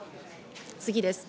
次です。